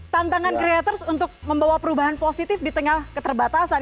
tantangan creators untuk membawa perubahan positif di tengah keterbatasan